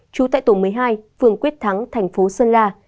trú tại tổ một mươi hai phường quyết thắng thành phố sơn la